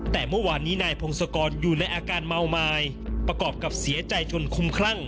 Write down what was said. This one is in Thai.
แต่เมื่อวานนี้นายพงศกรอยู่ในอาการเมาไม้ประกอบกับเสียใจจนคุ้มคลั่ง